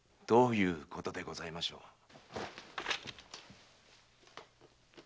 どういうことでございましょう？